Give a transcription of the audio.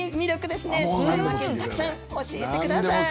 たくさん教えてください。